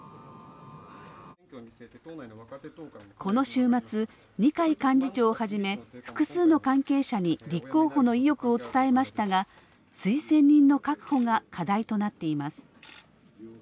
この週末、二階幹事長をはじめ複数の関係者に立候補の意欲を伝えましたが推薦人の確保が課題となっています。